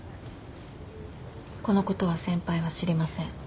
このことは先輩は知りません。